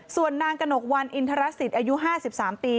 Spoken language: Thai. ส่วนนางกระหนกวันอินทรสิตอายุ๕๓ปี